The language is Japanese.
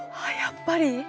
あやっぱり！